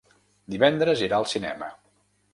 Divendres irà al cinema.